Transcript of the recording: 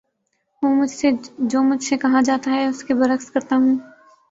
جو مجھ سے کہا جاتا ہے اس کے بر عکس کرتا ہوں